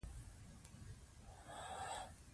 پور د غمونو مور ده.